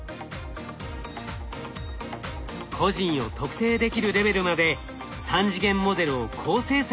個人を特定できるレベルまで３次元モデルを高精細にします。